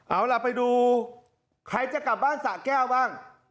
เอาล่ะไปดูใครจะกลับบ้านสะแก้วบ้าง